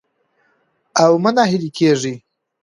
او مه ناهيلي کېږئ